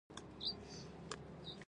لکه دا چې د موټر کیلي مو چیرې ایښې ده.